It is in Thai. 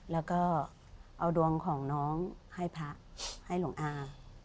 แล้วก็เอาดวงของน้องให้พระให้หลวงอา